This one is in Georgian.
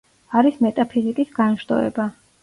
არის მეტაფიზიკის განშტოება.